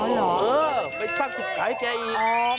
เหรอไปสร้างศุกร์ให้แกอีก